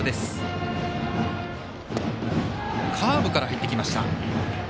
カーブから入ってきました。